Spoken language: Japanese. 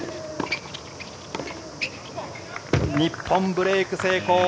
日本、ブレーク成功。